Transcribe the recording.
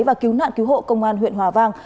và cứu nạn cứu hộ công an huyện hòa vang